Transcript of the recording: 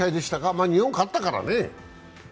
まあ日本勝ったからね。